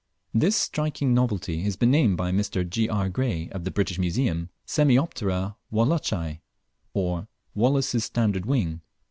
This striking novelty has been named by Mr. G. R. Gray of the British Museum, Semioptera Wallacei, or "Wallace's Standard wing."